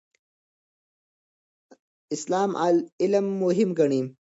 اسلام علم مهم ګڼي.